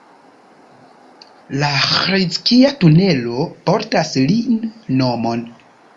La Ĥizkija-tunelo portas lin nomon.